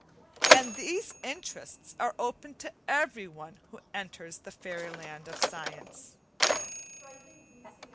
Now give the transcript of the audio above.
And these interests are open to everyone who enters the fairy land of science.